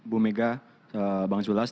bu mega bang zulhas